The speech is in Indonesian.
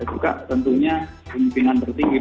dan juga tentunya pimpinan tertinggi